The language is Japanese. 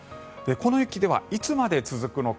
この雪、いつまで続くのか。